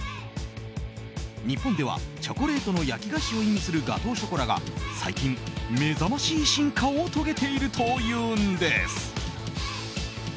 日本ではチョコレートの焼き菓子を意味するガトーショコラが、最近目覚ましい進化を遂げているというんです。